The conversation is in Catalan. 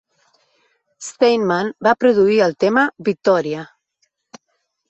Steinman va produir el tema "Vittoria!".